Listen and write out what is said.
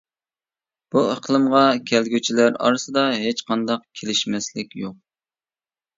بۇ ئىقلىمغا كەلگۈچىلەر ئارىسىدا ھېچقانداق كېلىشمەسلىك يوق.